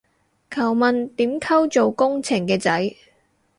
求問點溝做工程嘅仔